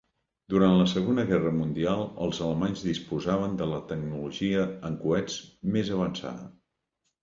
Durant la Segona Guerra Mundial els alemanys disposaven de la tecnologia en coets més avançada.